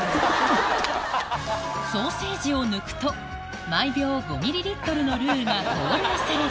ソーセージを抜くと毎秒５ｍのルーが放流される